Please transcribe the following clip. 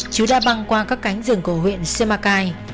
trứ đã băng qua các cánh rừng cổ huyện semakai